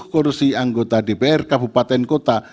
satu lima ratus sepuluh kursi anggota dpr kabupaten kota